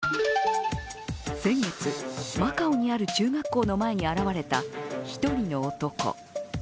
先月、マカオにある中学校の前に現れた一人の男。